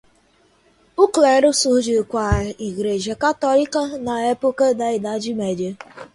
O clero surgiu com a Igreja Católica, na época da Idade Média.